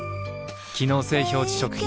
機能性表示食品